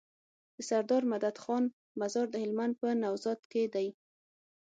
دسردار مدد خان مزار د هلمند په نوزاد کی دی